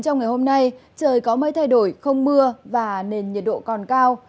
trong ngày hôm nay trời có mây thay đổi không mưa và nền nhiệt độ còn cao